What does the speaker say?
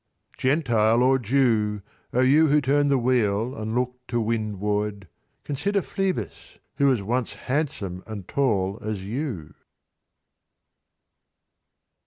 Gentile or Jew O you who turn the wheel and look to windward, 320 Consider Phlebas, who was once handsome and tall as you.